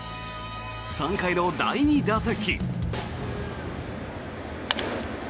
３回の第２打席。